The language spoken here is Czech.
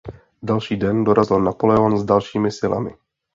Další den dorazil Napoleon s dalšími silami.